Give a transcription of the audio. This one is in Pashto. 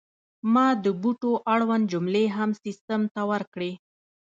ما د بوټو اړوند جملې هم سیستم ته ورکړې.